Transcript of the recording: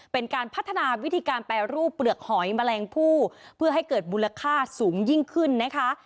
เป็นการพัฒนาวิธีการแปรรูปเปลือกหอยแมลงผู้เพื่อให้เกิดมูลค่าสูงยิ่งขึ้นนะคะ